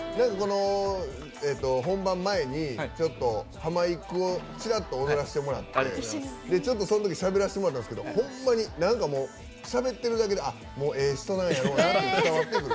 本番前にちょっとハマいくをちらっと躍らせてもらって、そのときにしゃべらせてもらったんですけどほんまにしゃべってるだけでええ人なんやろうなって伝わってくる。